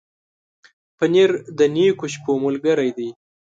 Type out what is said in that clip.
پنېر د نېکو شپو ملګری دی.